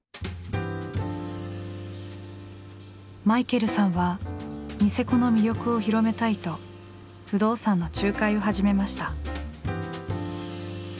マイケルさんはニセコの魅力を広めたいと不動産の仲介を始めました。